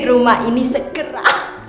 di rumah ini segera